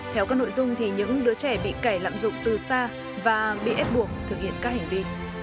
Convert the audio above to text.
theo các nội dung thì những đứa trẻ bị kẻ lạm dụng từ xa và bị ép buộc thực hiện các hành vi